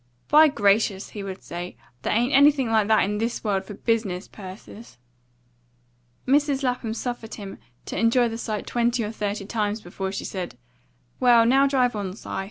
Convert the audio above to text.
"By gracious!" he would say, "there ain't anything like that in THIS world for BUSINESS, Persis!" Mrs. Lapham suffered him to enjoy the sight twenty or thirty times before she said, "Well, now drive on, Si."